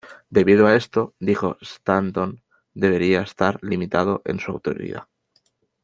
Debido a esto, dijo Stanton, debería estar limitado en su autoridad.